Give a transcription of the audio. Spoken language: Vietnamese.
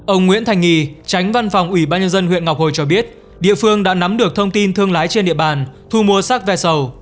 ông nguyễn thành nghì tránh văn phòng ủy ban nhân dân huyện ngọc hồi cho biết địa phương đã nắm được thông tin thương lái trên địa bàn thu mua sắc ve sầu